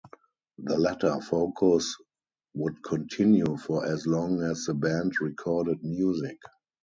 The latter focus would continue for as long as the band recorded music.